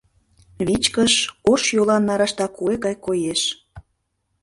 Вичкыж ош йолан нарашта куэ гай коеш.